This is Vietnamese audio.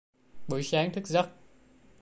Buổi sáng thức giấc